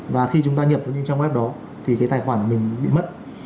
và khi chúng ta nhập vào những trang web đó thì cái tài khoản mình bị mất